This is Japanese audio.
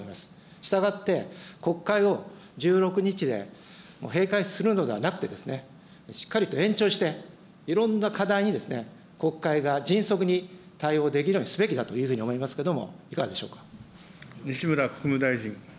従って国会を１６日で閉会するのではなくて、しっかりと延長して、いろんな課題に国会が迅速に対応できるようにすべきだというふうに思いますけれども、いかがでしょうか。